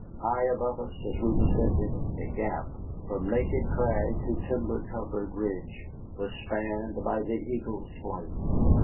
High above us, as we descended, the gap, from naked crag to timber covered ridge, was spanned by the eagle's flight.